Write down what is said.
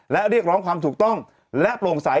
และเรียกร้องความถูกต้องและโปร่งใส